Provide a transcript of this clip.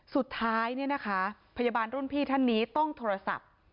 สุดท้ายเนี่ยนะคะพยาบาลรุ่นพี่ท่านนี้ต้องโทรศัพท์